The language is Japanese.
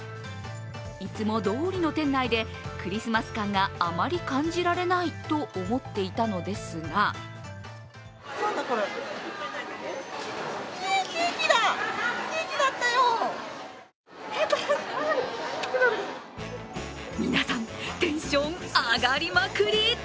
いつもどおりの店内で、クリスマス感があまり感じられないと思っていたのですが皆さん、テンション上がりまくり！